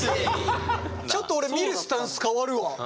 ちょっと俺見るスタンス変わるわ。